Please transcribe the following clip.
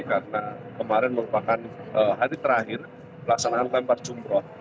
karena kemarin merupakan hari terakhir pelaksanaan lempar jumroh